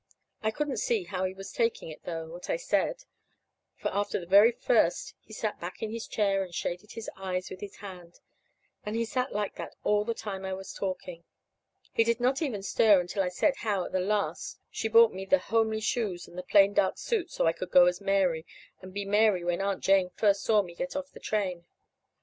I couldn't see how he was taking it, though what I said for after the very first he sat back in his chair and shaded his eyes with his hand; and he sat like that all the time I was talking. He did not even stir until I said how at the last she bought me the homely shoes and the plain dark suit so I could go as Mary, and be Mary when Aunt Jane first saw me get off the train.